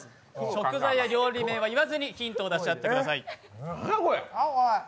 食材や料理名を言わずにヒントを出し合ってください。